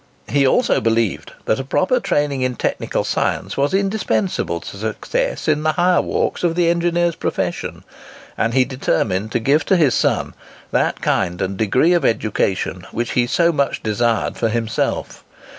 He also believed that a proper training in technical science was indispensable to success in the higher walks of the engineer's profession; and he determined to give to his son that kind and degree of education which he so much desired for himself.